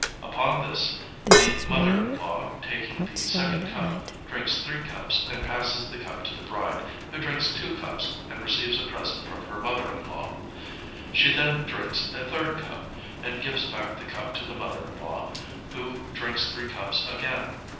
Upon this the mother in law, taking the second cup, drinks three cups and passes the cup to the bride, who drinks two cups and receives a present from her mother in law: she then drinks a third cup and gives back the cup to the mother in law, who drinks three cups again.